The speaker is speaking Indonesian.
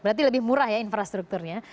berarti lebih murah ya infrastrukturnya